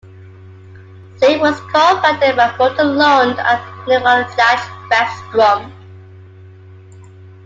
Spleak was co-founded by Morten Lund and Nicolaj Reffstrup.